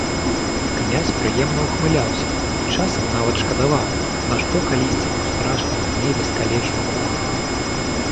Князь прыемна ўхмыляўся і часам нават шкадаваў, нашто калісьці ў страшным гневе скалечыў кухара.